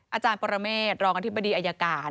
อาจารย์ปรเมฆรองอธิบดีอายการ